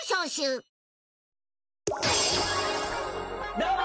どうも。